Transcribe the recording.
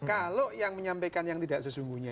kalau yang menyampaikan yang tidak sesungguhnya